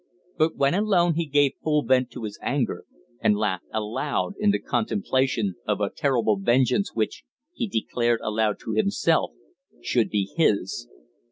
But when alone he gave full vent to his anger, and laughed aloud in the contemplation of a terrible vengeance which, he declared aloud to himself, should be his.